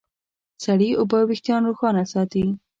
سړې اوبه وېښتيان روښانه ساتي.